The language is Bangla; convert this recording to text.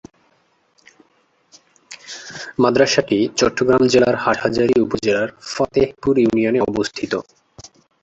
মাদ্রাসাটি চট্টগ্রাম জেলার হাটহাজারী উপজেলার ফতেপুর ইউনিয়নে অবস্থিত।